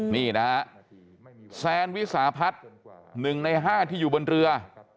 นี่นะฮะแซนวิสาพัฒน์๑ใน๕ที่อยู่บนเรือ